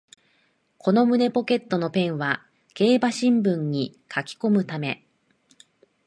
この胸ポケットのペンは競馬新聞に書きこむため